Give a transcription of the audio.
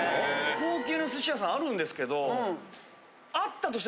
高級な寿司屋さんあるんですけど。